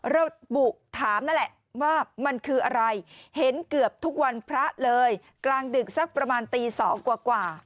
ระบุถามนั่นแหละว่ามันคืออะไรเห็นเกือบทุกวันพระเลยกลางดึกสักประมาณตี๒กว่า